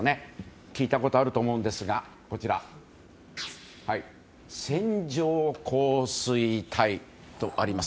聞いたことがあると思うんですが線状降水帯とあります。